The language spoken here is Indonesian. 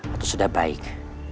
atau sudah baik